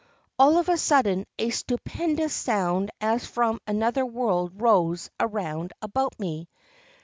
All of a sudden a stupendous sound as from another world rose around about me.